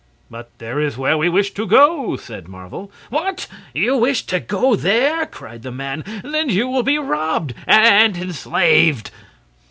"But there is where we wish to go," said Marvel. "What! You wish to go there?" cried the man. "Then you will be robbed and enslaved!"